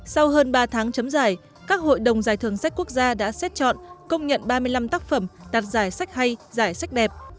sau hơn ba tháng chấm giải các hội đồng giải thưởng sách quốc gia đã xét chọn công nhận ba mươi năm tác phẩm đạt giải sách hay giải sách đẹp